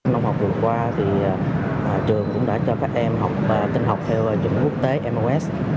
năm học vừa qua thì trường cũng đã cho các em học tinh học theo trường quốc tế mos